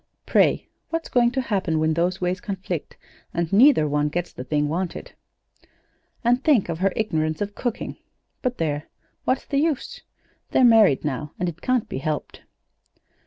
Pray, what's going to happen when those ways conflict, and neither one gets the thing wanted? "And think of her ignorance of cooking but, there! What's the use? They're married now, and it can't be helped.